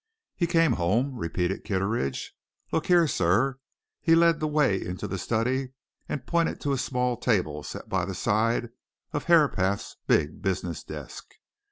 "He came home," repeated Kitteridge. "Look here, sir." He led the way into the study and pointed to a small table set by the side of Herapath's big business desk.